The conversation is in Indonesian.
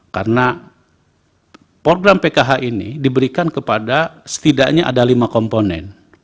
karena program pkh ini diberikan kepada setidaknya ada lima komponen